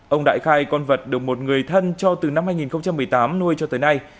ông đại khai con vật được một người thân cho từ năm hai nghìn một mươi tám nuôi cho tới nay